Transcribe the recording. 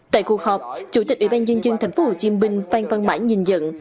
tại cuộc họp chủ tịch ủy ban nhân dân thành phố hồ chí minh phan văn mãi nhìn dẫn